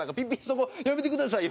そこやめてください」